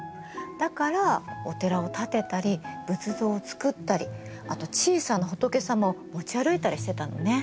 だからお寺を建てたり仏像をつくったりあと小さな仏様を持ち歩いたりしてたのね。